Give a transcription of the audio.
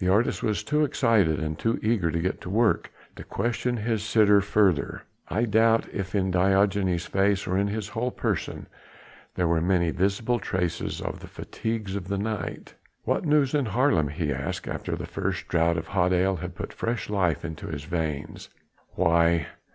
The artist was too excited and too eager to get to work to question his sitter further. I doubt if in Diogenes' face or in his whole person there were many visible traces of the fatigues of the night. "What news in Haarlem?" he asked after the first draught of hot ale had put fresh life into his veins. "Why?